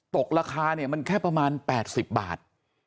ตกราคาเนี่ยมันแค่ประมาณ๘๐บาท